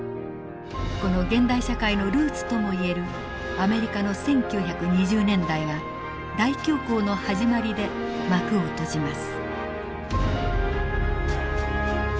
この現代社会のルーツともいえるアメリカの１９２０年代は大恐慌の始まりで幕を閉じます。